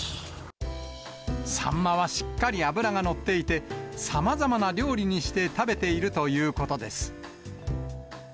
サンマはしっかり脂が乗っていて、さまざまな料理にして食べているということです。